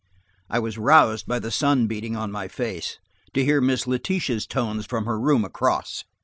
I was roused by the sun beating on my face, to hear Miss Letitia's tones from her room across.